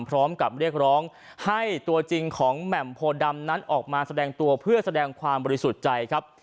พร้อมกับเรียกร้องให้ตัวจริงของแหม่มโพดำนั้นออกมาแสดงตัวเพื่อแสดงความบริสุทธิ์ใจครับ